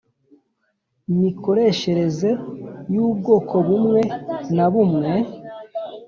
mikoreshereze y ubwoko bumwe na bumwe